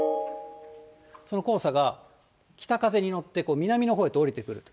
その黄砂が北風に乗って南のほうへと下りてくる。